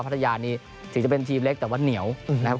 ภรรยานี้ถึงจะเป็นทีมเล็กแต่ว่าเหนียวนะครับ